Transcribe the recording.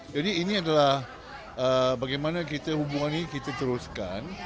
jadi ini adalah bagaimana hubungan ini kita teruskan